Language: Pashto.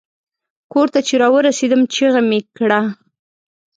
کور ته چې را ورسیدم چیغه مې کړه.